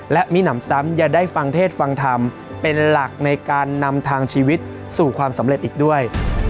และมิหนำซ้ำอย่าได้ฟังเทศฟังธรรมเป็นหลักในการนำทางชีวิตสู่ความสำเร็จอีกด้วย